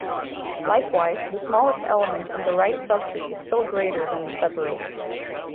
Likewise, the smallest element in the right subtree is still greater than the separator.